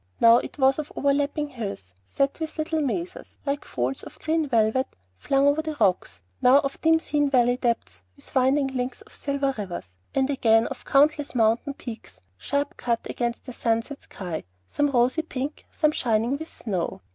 Now it was of over lapping hills set with little mésas, like folds of green velvet flung over the rocks; now of dim seen valley depths with winding links of silver rivers; and again of countless mountain peaks sharp cut against the sunset sky, some rosy pink, some shining with snow.